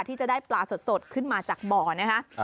ที่จะได้ปลาสดขึ้นมาจากบ่อนะคะ